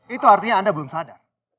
itu artinya anda belum sadar